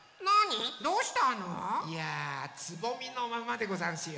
いやつぼみのままでござんすよ。